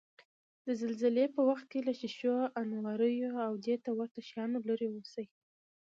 د زلزلې په وخت کې له شیشو، انواریو، او دېته ورته شیانو لرې اوسئ.